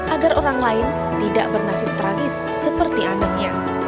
agar orang lain tidak bernasib tragis seperti anaknya